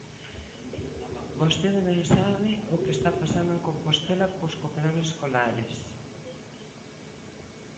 Vostede ben sabe o que está pasando en Compostela cos comedores escolares.